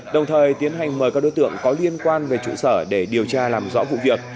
đồng thời tiến hành mời các đối tượng có liên quan về trụ sở để điều tra làm rõ vụ việc